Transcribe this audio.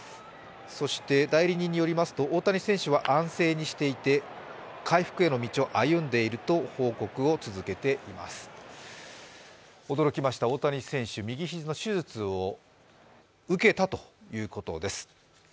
代理人によりますと、大谷選手は安静にしていて、回復への道を歩んでいると報告を続けています驚きました、大谷選手、右肘の手術を受けたということです。